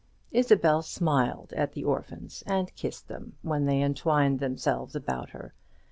Isabel smiled at the orphans, and kissed them, when they entwined themselves about her.